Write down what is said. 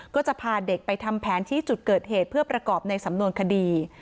ก็จะพาเด็กไปทำแผนที่จุดเกิดเหตุเพื่อประกอบในสำนวนคดี